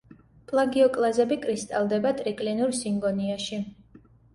პლაგიოკლაზები კრისტალდება ტრიკლინურ სინგონიაში.